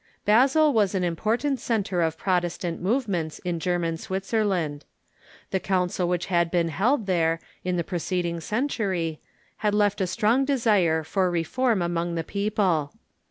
Basel Avas an important centre of Protestant movements in German Switzerland. The council which had been held there in the preceding century had left a strong desire for re form among the people.